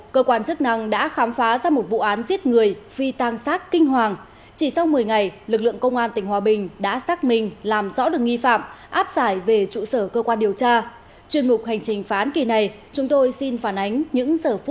các bạn hãy đăng ký kênh để ủng hộ kênh của chúng mình nhé